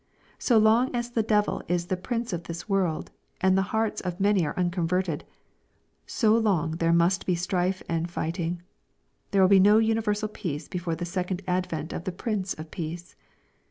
So long as the devil is the prince of this world, and the hearts of the many are unconverted, so long there must be strife and fighting. There will be no universal peace before the second advent of the Prince of peace.